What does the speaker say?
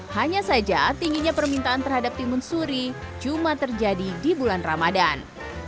hanya saja tingginya permintaan terhadap timun suri cuma terjadi di bulan ramadan